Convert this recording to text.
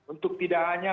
untuk tidak hanya